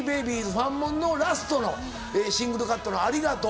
ファンモンのラストのシングルカットの『ありがとう』。